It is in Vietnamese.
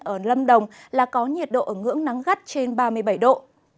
ở lâm đồng là có nhiệt độ ở ngưỡng nắng gắt trên ba mươi bảy độ